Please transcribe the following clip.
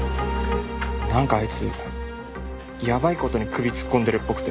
なんかあいつやばい事に首突っ込んでるっぽくて。